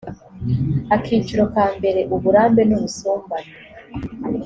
akiciro kambere uburambe n ubusumbane